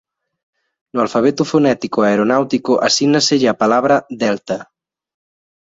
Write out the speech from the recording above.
No alfabeto fonético aeronáutico asígnaselle a palabra Delta.